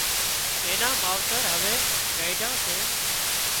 اين نان ماوتر هوي گئيڍان سي